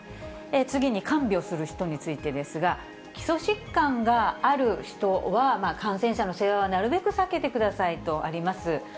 次に看病する人についてですが、基礎疾患がある人は、感染者の世話はなるべく避けてくださいとあります。